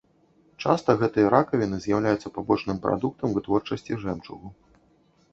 Часта гэтыя ракавіны з'яўляюцца пабочным прадуктам вытворчасці жэмчугу.